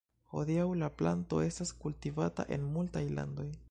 Hodiaŭ la planto estas kultivata en multaj landoj.